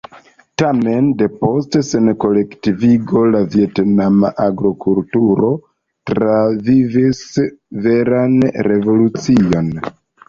Tamen, depost senkolektivigo, la vjetnama agrokulturo travivis veran revolucion.